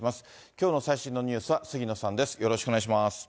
きょうの最新のニュースは杉野さんです。